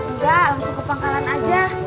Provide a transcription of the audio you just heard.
enggak langsung ke pangkalan aja